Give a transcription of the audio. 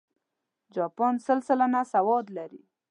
جاپان سل سلنه سواد لري.